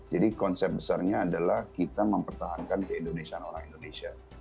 jadi konsep besarnya adalah kita mempertahankan keindonesian orang indonesia